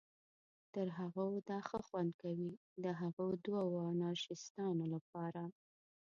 تر هغو دا ښه خوند کوي، د هغه دوو انارشیستانو لپاره.